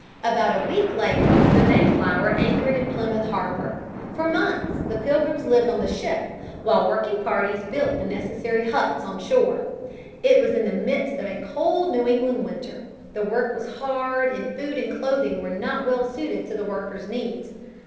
About a week later the Mayflower anchored in Plymouth harbor. For months the Pilgrims lived on the ship while working parties built the necessary huts on shore. It was in the midst of a cold New England winter. The work was hard and food and clothing were not well suited to the worker's needs.